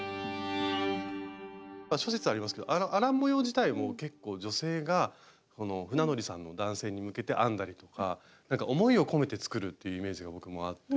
諸説ありますけどアラン模様自体も結構女性が船乗りさんの男性に向けて編んだりとか思いを込めて作るっていうイメージが僕もあって。